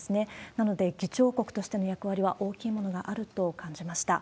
なので、議長国としての役割は大きいものがあると感じました。